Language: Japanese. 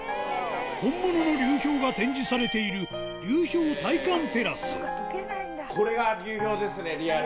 本物の流氷が展示されている、これが流氷ですね、リアル。